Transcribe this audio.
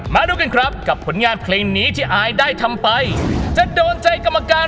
มาดูกันครับกับผลงานเพลงนี้ที่อายได้ทำไปจะโดนใจกรรมการ